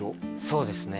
そうですね